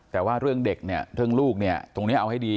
แต่ว่าเรื่องเด็กเนี่ยเรื่องลูกเนี่ยตรงนี้เอาให้ดี